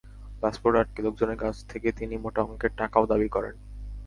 Passport আটকে লোকজনের কাছ থেকে তিনি মোটা অংকের টাকাও দাবি করেন।